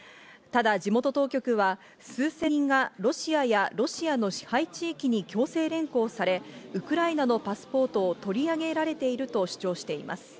ただ地元当局は、数千人がロシアやロシアの支配地域に強制連行され、ウクライナのパスポートを取り上げられていると主張しています。